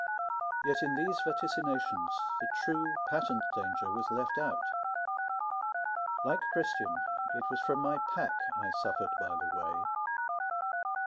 Yet in these vaticinations, the true, patent danger was left out. Like Christian, it was from my pack I suffered by the way.